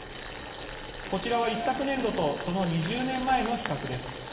こちらは一昨年度とその２０年前の比較です。